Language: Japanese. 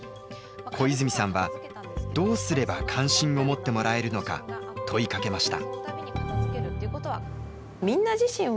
小泉さんはどうすれば関心を持ってもらえるのか問いかけました。